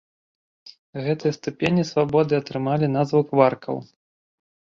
Гэтыя ступені свабоды атрымалі назву кваркаў.